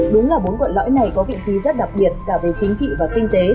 đúng là bốn quận lõi này có vị trí rất đặc biệt cả về chính trị và kinh tế